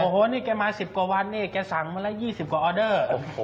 โอ้โหนี่แกมา๑๐กว่าวันนี่แกสั่งมาละ๒๐กว่าออเดอร์